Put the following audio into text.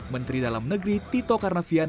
menteri dalam negeri tito karnavian